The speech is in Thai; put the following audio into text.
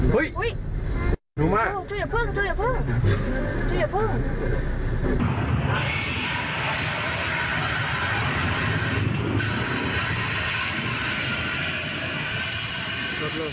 เฮ้ยหนูมากช่วยอย่าเพิ่งช่วยอย่าเพิ่งช่วยอย่าเพิ่ง